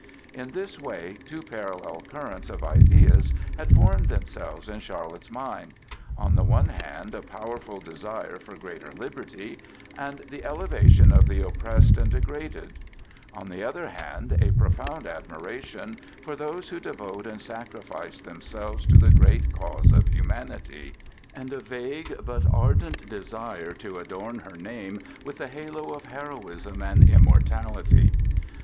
In this way two parallel currents of ideas had formed themselves in Charlotte's mind,—on the one hand, a powerful desire for greater liberty and the elevation of the oppressed and degraded; on the other hand, a profound admiration for those who devote and sacrifice themselves to the great cause of humanity, and a vague but ardent desire to adorn her name with the halo of heroism and immortality.